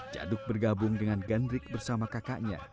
jaduk bergabung dengan gandrik bersama kakaknya